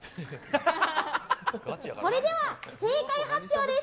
それでは正解発表です。